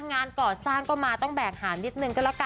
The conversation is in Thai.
งานก่อสร้างก็มาต้องแบกหามนิดนึงก็แล้วกัน